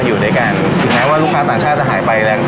อยู่ด้วยกันอย่างนั้นว่าลูกค้าต่างชาติจะหายไปแล้ว